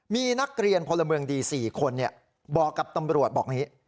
มีนักเรียนพลเมืองดีสี่คนเนี่ยบอกกับตำรวจบอกนี้